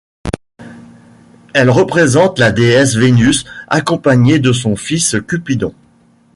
Elle représente la déesse Vénus accompagnée de son fils Cupidon.